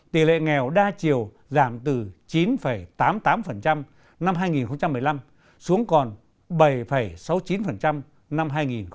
tỷ lệ nghèo đa chiều giảm từ chín tám mươi tám năm hai nghìn một mươi năm xuống còn bảy sáu mươi chín năm hai nghìn một mươi bảy